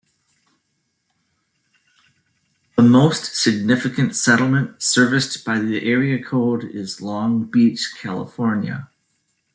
The most significant settlement serviced by the area code is Long Beach, California.